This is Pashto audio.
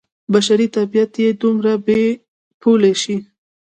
بشري طبعیت دې دومره بې پولې شي.